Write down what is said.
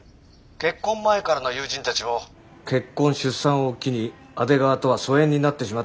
結婚前からの友人たちも結婚出産を機に阿出川とは疎遠になってしまったと話してる。